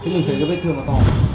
thế mình thấy cái bệnh thương là to